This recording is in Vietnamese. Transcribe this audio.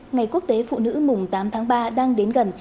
ngày quốc tế phụ nữ mùng tám tháng ba đang đến gần